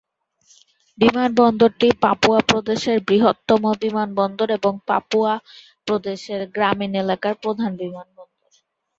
বিমানবন্দরটি পাপুয়া প্রদেশের বৃহত্তম বিমানবন্দর এবং পাপুয়া প্রদেশের গ্রামীণ এলাকার প্রধান বিমানবন্দর।